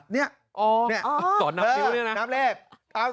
อ๋อสอนหนักนิ้วด้วยนะ